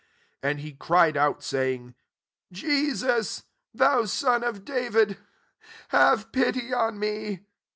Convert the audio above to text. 38 And he cried out, saying, Je sus, thou son of David, have pity on me."